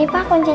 ini pak kuncinya